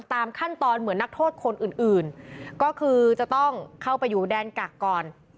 ตามขั้นตอนเหมือนนักโทษคนอื่นก็คือจะต้องเข้าไปอยู่แดนกักก่อน